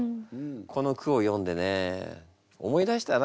この句を読んでね思い出したなあ。